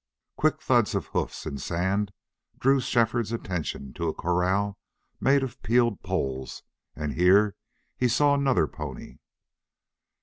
Quick thuds of hoofs in sand drew Shefford's attention to a corral made of peeled poles, and here he saw another pony.